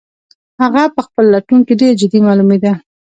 هغه په خپل لټون کې ډېر جدي معلومېده.